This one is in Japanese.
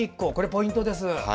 ポイントです。